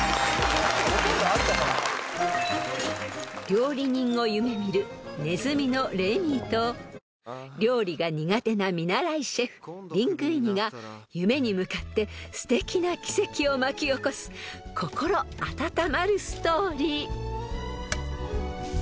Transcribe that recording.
［料理人を夢見るネズミのレミーと料理が苦手な見習いシェフリングイニが夢に向かってすてきな奇跡を巻き起こす心温まるストーリー］